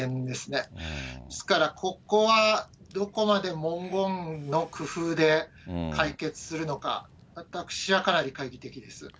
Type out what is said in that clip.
ですからここは、どこまで文言の工夫で解決するのか、私はかなり懐疑的です。